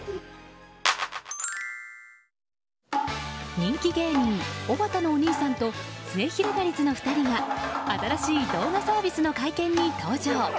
人気芸人おばたのお兄さんとすゑひろがりずの２人が新しい動画サービスの会見に登場。